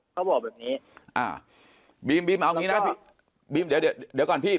เขาบอกแบบนี้อ่าบีมบีมเอางี้นะพี่บีมเดี๋ยวเดี๋ยวก่อนพี่